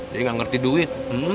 dia gak ngerti duit